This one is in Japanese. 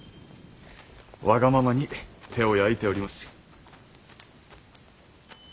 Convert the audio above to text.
わがままに手を焼いております。